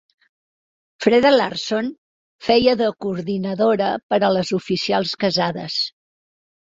Freda Larsson feia de coordinadora per a les oficials casades.